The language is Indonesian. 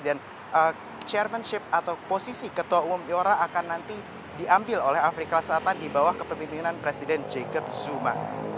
dan chairmanship atau posisi ketua umum ayora akan nanti diambil oleh afrika selatan di bawah kepemimpinan presiden jacob zuma